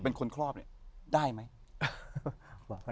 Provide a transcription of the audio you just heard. เป็นคนครอบเนี่ยได้ไหม